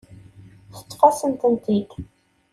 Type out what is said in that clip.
Teṭṭef-asent-ten-id.